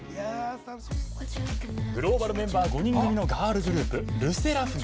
グローバルメンバー５人組のガールズグループＬＥＳＳＥＲＡＦＩＭ。